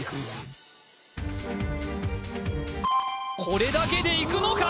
これだけでいくのか？